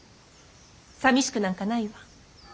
さみしくなんかないわ。